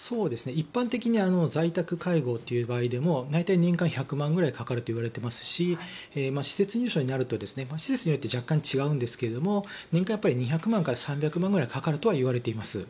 一般的に在宅介護っていう場合でも大体年間１００万ぐらいかかるといわれていますし施設入所になると施設によって若干違うんですが年間２００万円から３００万円かかるといわれています。